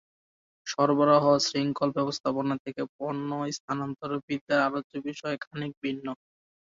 সরবরাহ শৃঙ্খল ব্যবস্থাপনা থেকে পণ্য স্থানান্তর বিদ্যার আলোচ্য বিষয় খানিক ভিন্ন।